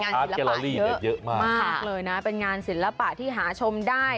ศิลปะเยอะมากมากเลยนะเป็นงานศิลปะที่หาชมได้